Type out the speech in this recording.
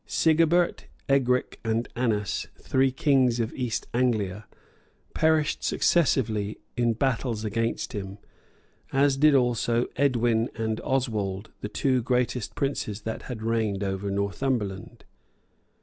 Sigebert, Egric, and Annas, three kings of East Anglia, perished successively in battle against him; as did also Edwin and Oswald, the two greatest princes that had reigned over Northumberland.